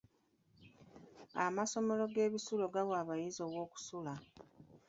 Amasomero g'ebisulo gawa abayizi aw'okusula.